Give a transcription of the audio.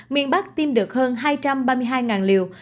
miền bắc tìm được hơn hai trăm ba mươi hai liều